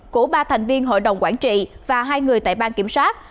của ba thành viên hội đồng quản trị và hai người tại bang kiểm soát